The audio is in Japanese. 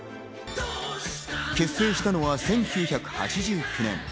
結成したのは１９８９年。